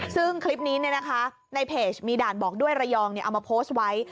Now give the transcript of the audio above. ซึ่งคลิปนี้ในเพจมีด่านบอกด้วยระยองเอามาโพสต์ไว้